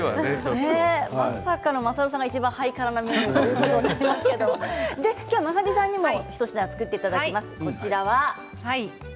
まさるさんがいちばんハイカラなメニューとなっておりますがまさみさんにも一品作っていただきます。